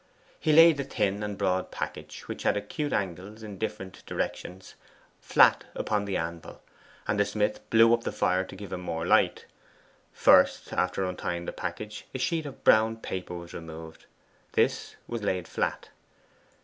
He laid the thin and broad package, which had acute angles in different directions, flat upon the anvil, and the smith blew up the fire to give him more light. First, after untying the package, a sheet of brown paper was removed: this was laid flat.